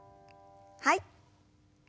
はい。